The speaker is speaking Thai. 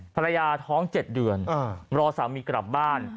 ภรรยาท้อง๗เดือนรอสามีกลับบ้าน